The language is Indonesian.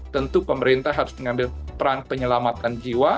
tentu pemerintah harus mengambil peran penyelamatan jiwa